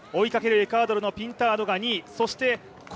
追いかけるエクアドルのピンタードが２位。